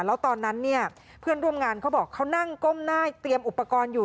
แล้วตอนนั้นเนี่ยเพื่อนร่วมงานเขาบอกเขานั่งก้มหน้าเตรียมอุปกรณ์อยู่